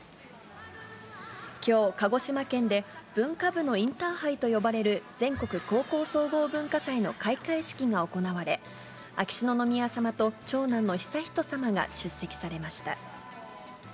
きょう、鹿児島県で文化部のインターハイと呼ばれる、全国高校総合文化祭の開会式が行われ、秋篠宮さまと、長男の悠仁さまが出席されました。